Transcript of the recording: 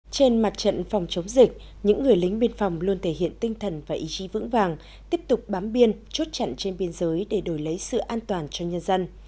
trên mặt trận phòng chống dịch những người lính biên phòng luôn thể hiện tinh thần và ý chí vững vàng tiếp tục bám biên chốt chặn trên biên giới để đổi lấy sự an toàn cho nhân dân